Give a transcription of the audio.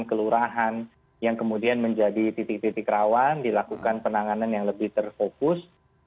kelurahan yang kemudian menjadi titik titik rawan dilakukan penanganan yang lebih terfokus